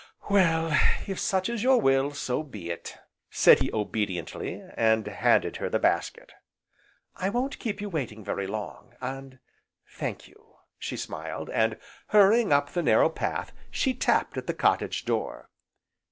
"Well, if such is your will so be it," said he obediently, and handed her the basket. "I won't keep you waiting very long, and thank you!" she smiled, and, hurrying up the narrow path, she tapped at the cottage door.